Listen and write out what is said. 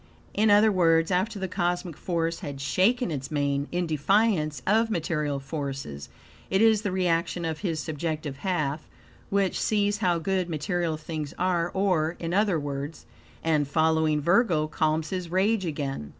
In other words, after the cosmic force had SHAKEN ITS MANE in defiance of material forces, it is the reaction of his subjective half which sees HOW GOOD material things are; or, in other words, "and following Virgo calms his rage again."